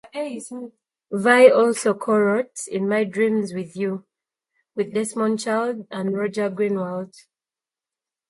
Vai also co-wrote "In My Dreams with You" with Desmond Child and Roger Greenawalt.